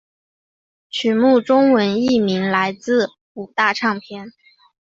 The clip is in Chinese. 曲目中文译名来自五大唱片。